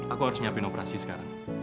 aku harus menyiapkan operasi sekarang